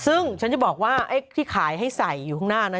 ซึ่งฉันจะบอกว่าที่ขายให้ใส่อยู่ก่อนหน้านะ